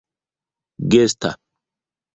gesta